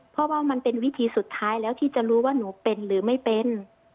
เพราะว่ามันเป็นวิธีสุดท้ายแล้วที่จะรู้ว่าหนูเป็นหรือไม่เป็น